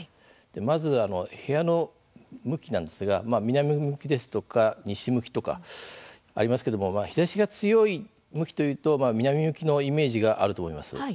まずは、部屋の向きなんですが南向きですとか西向きとかありますけれども日ざしが強い向きというと南向きのイメージがあると思います。